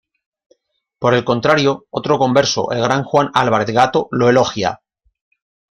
Por el contrario, otro converso, el gran Juan Álvarez Gato, lo elogia.